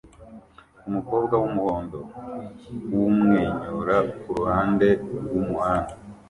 Umukobwa wumuhondo wumwenyura kuruhande rwumuhanda